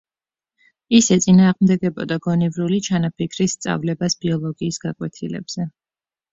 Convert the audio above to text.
ის ეწინააღმდეგებოდა გონივრული ჩანაფიქრის სწავლებას ბიოლოგიის გაკვეთილებზე.